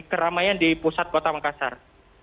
keramaian di pusat kota makassar